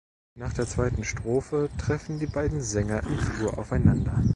Nach der zweiten Strophe treffen die beiden Sänger im Flur aufeinander.